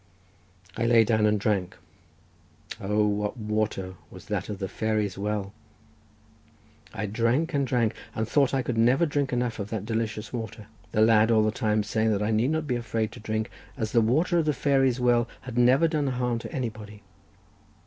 I lay down and drank. O, what water was that of the Fairies' well! I drank and drank and thought I could never drink enough of that delicious water; the lad all the time saying that I need not be afraid to drink, as the water of the Fairies' well had never done harm to anybody.